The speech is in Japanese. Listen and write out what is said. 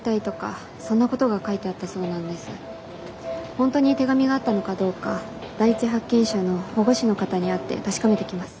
本当に手紙があったのかどうか第一発見者の保護司の方に会って確かめてきます。